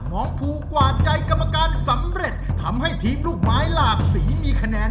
น้องภูกวาดใจกรรมการสำเร็จทำให้ทีมลูกไม้หลากสีมีคะแนน